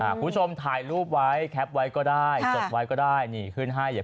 คุณผู้ชมถ่ายรูปไว้แคปไว้ก็ได้จดไว้ก็ได้นี่ขึ้นให้อย่า